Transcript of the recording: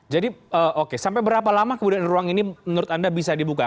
jadi sampai berapa lama kemudian ruang ini menurut anda bisa dibuka